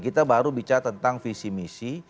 kita baru bicara tentang visi misi